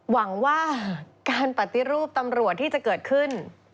หวังว่าการปฏิรูปตำรวจที่จะเกิดขึ้น